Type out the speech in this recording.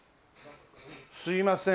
すいません。